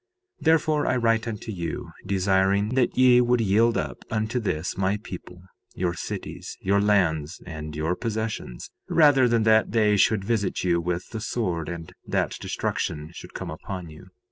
3:6 Therefore I write unto you, desiring that ye would yield up unto this my people, your cities, your lands, and your possessions, rather than that they should visit you with the sword and that destruction should come upon you.